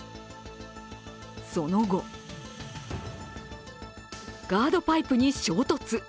その後、ガードパイプに衝突。